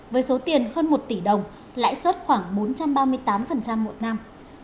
với số tiền hơn một tỷ đồng lãi suất khoảng bốn trăm ba mươi tám một năm